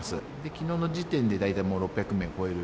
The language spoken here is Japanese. きのうの時点で、大体もう６００名を超える。